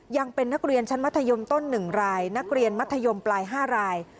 ยังเป็นนักเรียนชั้นมัธยมต้น๑รายนักเรียนมัธยมปลาย๕ราย